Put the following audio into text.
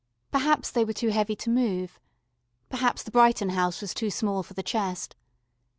Perhaps they were too heavy to move. Perhaps the Brighton house was too small for the chest.